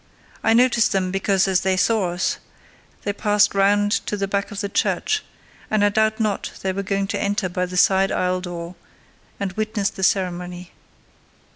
I noticed them, because, as they saw us, they passed round to the back of the church; and I doubted not they were going to enter by the side aisle door and witness the ceremony.